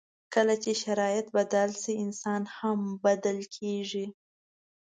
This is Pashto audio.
کله چې شرایط بدل شي، انسان هم بدل کېږي.